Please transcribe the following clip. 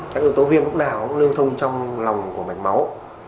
các yếu tố viêm lúc nào cũng lưu thông trong lòng của mạch máu